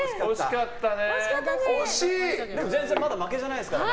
全然まだ負けじゃないですからね。